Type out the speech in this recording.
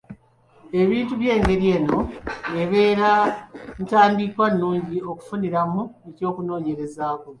Ebintu eby’engeri eno, ebeera ntandikwa nungi okufuniramu ekyokunoonyerezaako.